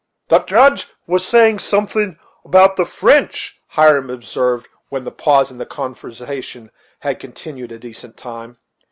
"The Judge was saying so'thin' about the French," Hiram observed when the pause in the conversation had continued a decent time.